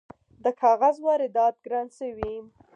د کاغذ واردات ګران شوي؟